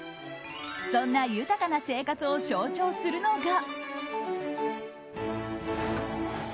そんな豊かな生活を象徴するのが。